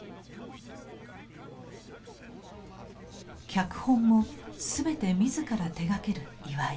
脚本も全て自ら手がける岩井。